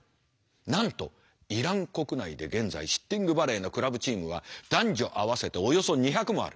なんとイラン国内で現在シッティングバレーのクラブチームは男女合わせておよそ２００もある。